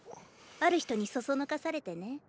ある人にそそのかされてね。